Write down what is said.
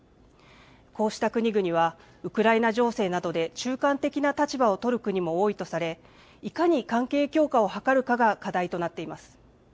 こうした国々はウクライナ情勢などで中間的な立場を取る国も多いとされ、いかに関係強化を図るかが課題となっています。